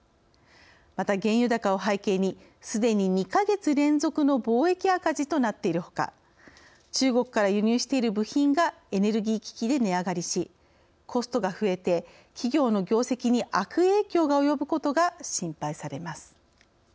また、原油高を背景にすでに２か月連続の貿易赤字となっているほか中国から輸入している部品がエネルギー危機で値上がりしコストが増えて企業の業績に悪影響が及ぶことが心配されます。